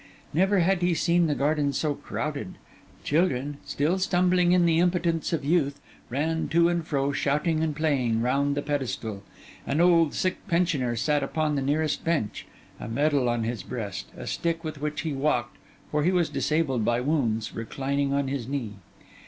Never had he seen the garden so crowded; children, still stumbling in the impotence of youth, ran to and fro, shouting and playing, round the pedestal; an old, sick pensioner sat upon the nearest bench, a medal on his breast, a stick with which he walked (for he was disabled by wounds) reclining on his knee.